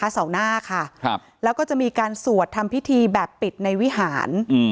เสาหน้าค่ะแล้วก็จะมีการสวดทำพิธีแบบปิดในวิหาร